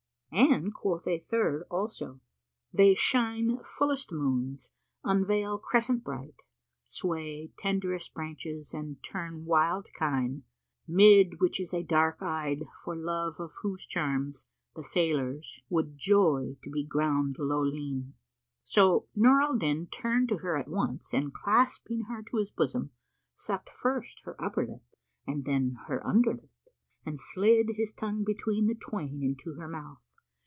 And quoth a third also, "They shine fullest Moons, unveil Crescent bright; * Sway tenderest Branches and turn wild kine; 'Mid which is a Dark eyed for love of whose charms * The Sailors[FN#478] would joy to be ground low li'en." So Nur al Din turned to her at once and clasping her to his bosom, sucked first her upper lip and then her under lip and slid his tongue between the twain into her mouth.